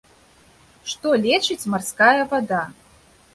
Што лечыць марская вада?